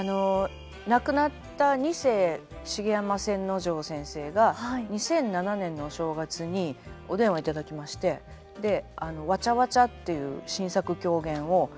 亡くなった二世茂山千之丞先生が２００７年のお正月にお電話頂きまして「わちゃわちゃ」っていう新作狂言を書いてくださいと。